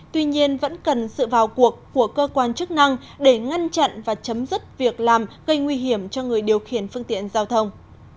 tuy nhiên vẫn cần sự vào cuộc của cơ quan chức năng để ngăn chặn và chấm dứt việc làm gây nguy hiểm cho người điều khiển phương tiện giao thông